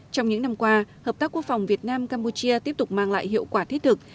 trong những năm qua hợp tác quốc phòng việt nam campuchia tiếp tục mang lại hiệu quả thiết thực